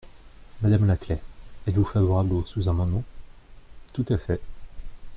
Madame Laclais, êtes-vous favorable au sous-amendement ? Tout à fait.